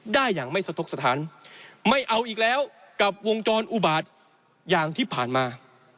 ได้อย่างไม่สะทกสถานไม่เอาอีกแล้วกับวงจรอุบาตอย่างที่ผ่านมา